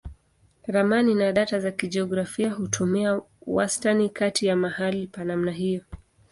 Ramani na data za kijiografia hutumia wastani kati ya mahali pa namna hiyo.